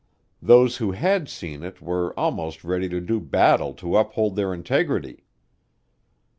Those who had seen it were almost ready to do battle to uphold their integrity.